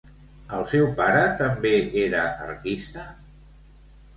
El seu pare també era artista?